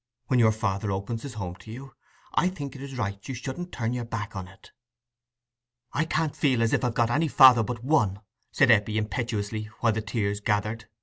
When your father opens his home to you, I think it's right you shouldn't turn your back on it." "I can't feel as I've got any father but one," said Eppie, impetuously, while the tears gathered.